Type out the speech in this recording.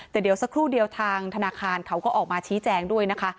แต่เดี๋ยวสักครู่เดียวทางธนาคารเขาก็ออกมาชี้แจงด้วยนะคะ